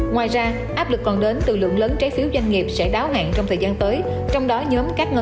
ngoài ra áp lực còn đến từ lượng lớn trái phiếu doanh nghiệp sẽ đáo hạn trong thời gian tới